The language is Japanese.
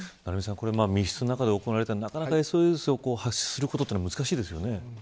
密室の中で行われてＳＯＳを発することは難しいですよね。